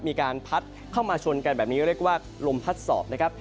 มีการพัดเข้ามาชนกันแบบนี้เรียกว่าลมพัดสอบนะครับ